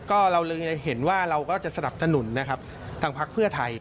ก็เราเลยเห็นว่าเราก็จะสนับสนุนนะครับทางพักเพื่อไทย